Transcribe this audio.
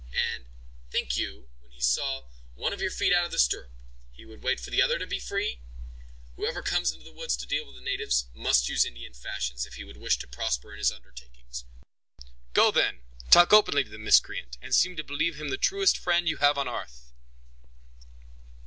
"And, think you, when he saw one of your feet out of the stirrup, he would wait for the other to be free? Whoever comes into the woods to deal with the natives, must use Indian fashions, if he would wish to prosper in his undertakings. Go, then; talk openly to the miscreant, and seem to believe him the truest friend you have on 'arth."